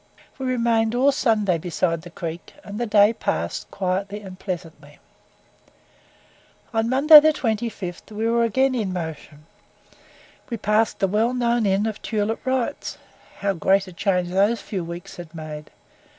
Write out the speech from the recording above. We remained all Sunday beside the creek, and the day passed quietly and pleasantly. On Monday the 25th we were again in motion. We passed the well known inn of Tulip Wright's. How great a change those few weeks had made!